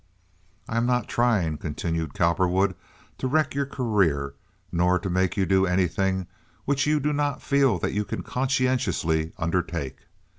"I am not trying," continued Cowperwood, "to wreck your career, nor to make you do anything which you do not feel that you can conscientiously undertake.